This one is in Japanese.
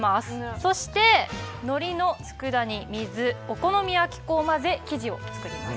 そして、のりの佃煮水、お好み焼き粉を混ぜ生地を作ります。